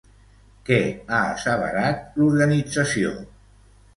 Què ha asseverat l'organització?